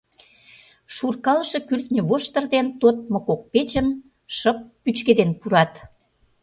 Шуркалыше кӱртньӧ воштыр дене тодмо кок печым шып пӱчкеден пурат.